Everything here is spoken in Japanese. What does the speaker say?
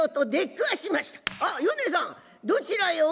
「あっ米さんどちらへお出かけ」。